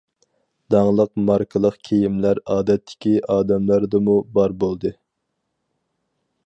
داڭلىق ماركىلىق كىيىملەر ئادەتتىكى ئادەملەردىمۇ بار بولدى.